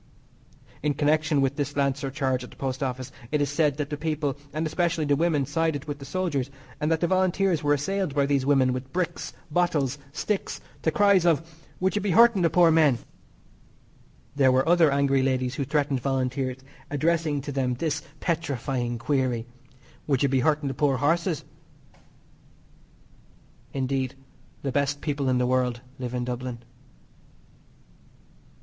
In connection with this lancer charge at the Post Office it is said that the people, and especially the women, sided with the soldiers, and that the Volunteers were assailed by these women with bricks, bottles, sticks, to cries of: "Would you be hurting the poor men?" There were other angry ladies who threatened Volunteers, addressing to them this petrifying query: "Would you be hurting the poor horses?" Indeed, the best people in the world live in Dublin.